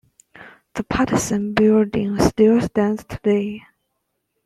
The Paterson Building still stands today.